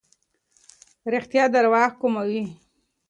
رښتیا درواغ کموي.